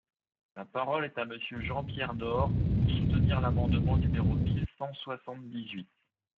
La parole est à Monsieur Jean-Pierre Door, pour soutenir l’amendement numéro mille cent soixante-dix-huit.